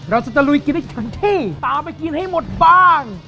เราจะตะลุยกินให้ฉันที่ตามไปกินให้หมดบ้าง